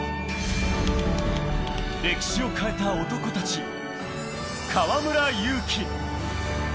歴史を変えた男たち、河村勇輝。